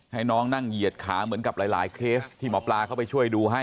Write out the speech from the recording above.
ให้น้องนั่งเหยียดขาเหมือนกับหลายเคสที่หมอปลาเข้าไปช่วยดูให้